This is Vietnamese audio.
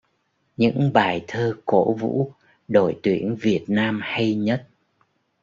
Những bài thơ cổ vũ đội tuyển Việt Nam hay nhất